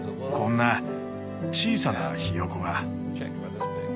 こんな小さなヒヨコが。